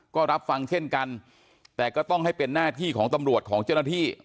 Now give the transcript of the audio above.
ก็รับฟังเช่นกันแต่ก็ต้องให้เป็นหน้าที่ของตำรวจของเจ้าหน้าที่